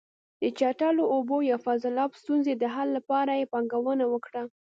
د چټلو اوبو یا فاضلاب ستونزې د حل لپاره یې پانګونه وکړه.